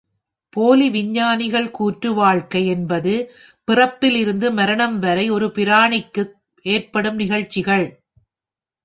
போலி விஞ்ஞானிகள் கூற்று வாழ்க்கை என்பது பிறப்பிலிருந்து மரணம் வரை ஒரு பிராணிக்கு ஏற்படும் நிகழ்ச்சிகள்.